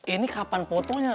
ini kapan fotonya